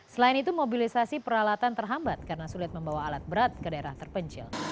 selain itu mobilisasi peralatan terhambat karena sulit membawa alat berat ke daerah terpencil